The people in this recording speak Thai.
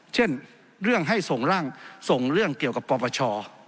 เช่นเรื่องให้ส่งร่างส่งเรื่องเกี่ยวกับปปช